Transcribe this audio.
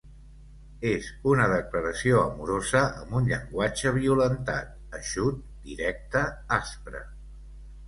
És una declaració amorosa amb un llenguatge violentat, eixut, directe, aspre.